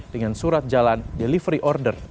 dengan surat jalan delivery order